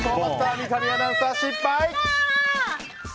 三上アナウンサー失敗！